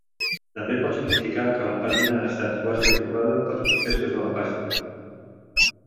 També pot significar que la pàgina ha estat quasi esborrada per successos de la pàgina.